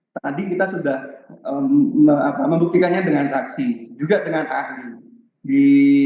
tadi kita sudah membuktikannya dengan saksi juga dengan ahli di